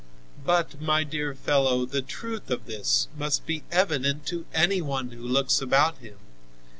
"But, my dear fellow, the truth of this must be evident to any one who looks about him.